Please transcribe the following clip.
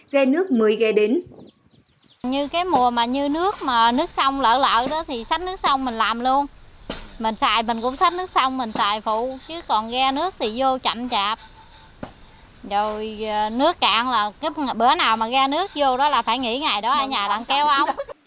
ghe nước mới ghe đến